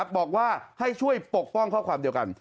บอกว่าให้ช่วยปกป้องข้อความเดียวกัน